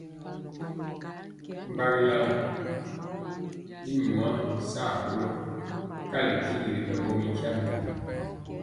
Ŋgogilan i nwaa san kolɔ kali kyigi ri mɛɓɔ mi nkyambe.